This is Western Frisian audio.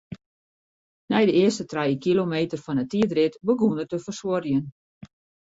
Nei de earste trije kilometer fan 'e tiidrit begûn er te fersuorjen.